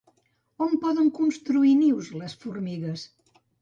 On poden construir nius les formigues?